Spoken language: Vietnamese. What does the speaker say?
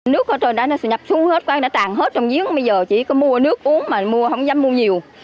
nước ở trên đó nó sẽ nhập xuống hết nó đã tàn hết trong giếng bây giờ chỉ có mua nước uống mà mua không dám mua nhiều